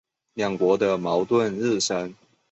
两国的矛盾日深。